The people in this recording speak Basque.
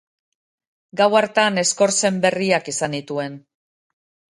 Gau hartan Skorsen berriak izan nituen.